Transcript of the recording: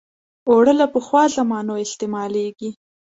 اوړه له پخوا زمانو استعمالېږي